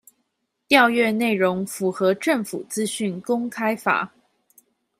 調閱內容符合政府資訊公開法